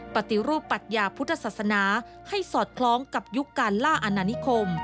ปฏิรูปปัญญาพุทธศาสนาให้สอดคล้องกับยุคการล่าอาณานิคม